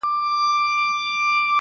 او خپل گرېوان يې تر لمني پوري څيري کړلو.